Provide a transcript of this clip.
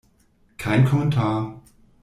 Kein Kommentar!